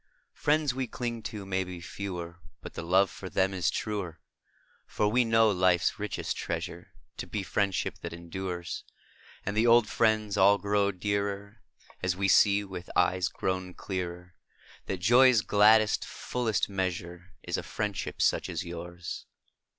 Is a F riends xv)e clinq to mau be fe^Oer, But the loOe jor them is truer; fbr \Oe know life s richest treasure To be friendship that em dures, And the old jriends all qroxO dearer & As vOe see \oith eues qro\On clearer That joq's gladdest, fullest measure ' Is a friendship such as Ljours.